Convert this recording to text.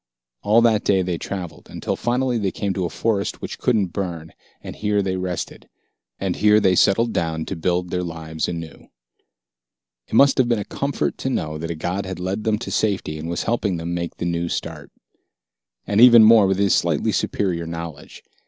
All that day they traveled, until finally they came to a forest which couldn't burn, and here they rested. And here they settled down to build their lives anew. It must have been a comfort to know that a god had led them to safety and was helping them make the new start. Bradley helped them with his gun, which blasted dangerous beasts, and even more with his slightly superior knowledge.